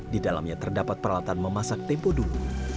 di dalamnya terdapat peralatan memasak tempo dulu